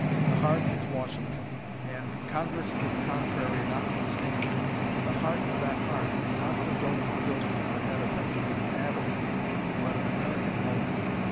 The heart is Washington, and, Congress to the contrary notwithstanding, the heart of that heart is not the domed building at the head of Pennsylvania Avenue, but an American home.